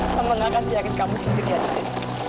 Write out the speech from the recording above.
mama gak akan biarkan kamu sendiri di sini